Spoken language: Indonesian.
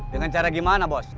dengan cara gimana bos